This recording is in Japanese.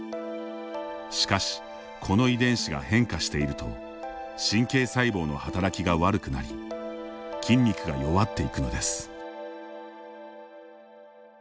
しかし、この遺伝子が変化していると神経細胞の働きが悪くなり筋肉が弱っていくのです。